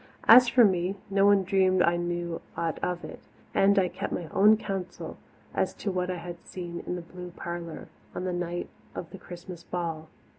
As for me, no one dreamed I knew aught of it, and I kept my own counsel as to what I had seen in the blue parlour on the night of the Christmas ball.